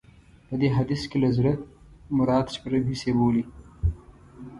په دې حديث کې له زړه مراد شپږم حس يې بولي.